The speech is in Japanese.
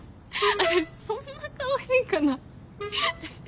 私そんな顔変かな。